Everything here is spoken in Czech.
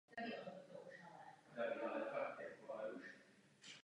Byl zakladatelem rodu Ronovců.